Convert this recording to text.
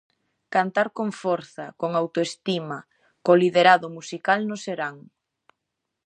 Cantar con forza, con autoestima, co liderado musical no serán.